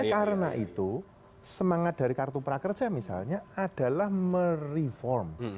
karena itu semangat dari kartu prakerja misalnya adalah mereform